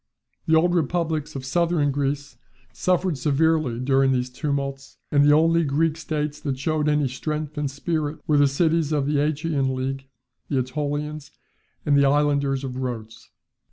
The old republics of southern Greece suffered severely during these tumults, and the only Greek states that showed any strength and spirit were the cities of the Achaean league, the AEtolians, and the islanders of Rhodes.